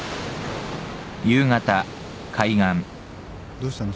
どうしたの？